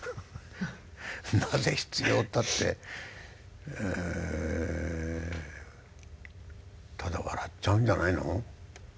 なぜ必要ったってただ笑っちゃうんじゃないの？